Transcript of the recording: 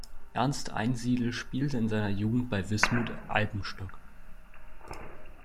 Ernst Einsiedel spielte in seiner Jugend bei "Wismut Eibenstock".